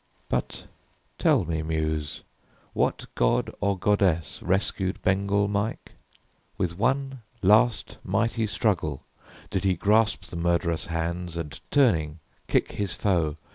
But tell me, Muse, What god or goddess rescued Bengal Mike? With one last, mighty struggle did he grasp The murderous hands and turning kick his foe.